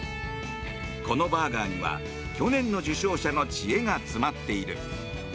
このバーガーには去年の受賞者の知恵が詰まっている。